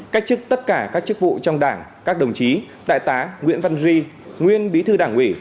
cách chức tất cả các chức vụ trong đảng các đồng chí đại tá nguyễn văn duy nguyên bí thư đảng ủy